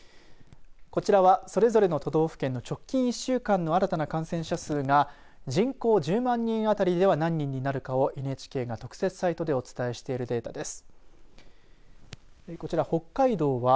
こちらはそれぞれの都道府県の直近１週間の新たな感染者数が人口１０万人当たりでは何人になるかをＮＨＫが特設サイトでお伝えしているデータです。